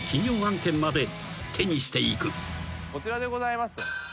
こちらでございます。